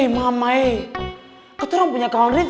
gue mau kelas ya missy